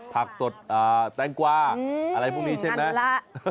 ผักสดแตงกวาอะไรพวกนี้ใช่ไหม